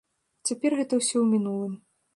Цяпер гэта ўсё ў мінулым.